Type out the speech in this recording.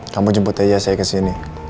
kamu jemput aja saya kesini